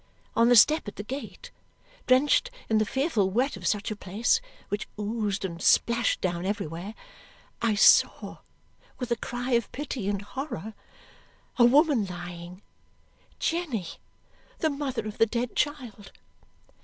On the step at the gate, drenched in the fearful wet of such a place, which oozed and splashed down everywhere, I saw, with a cry of pity and horror, a woman lying Jenny, the mother of the dead child.